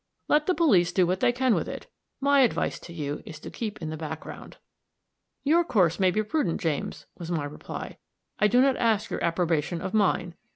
Let the police do what they can with it my advice to you is to keep in the background." "Your course may be prudent, James," was my reply; "I do not ask your approbation of mine.